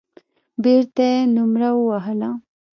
بېرته يې نومره ووهله.